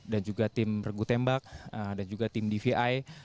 dan juga tim pergu tembak dan juga tim dvi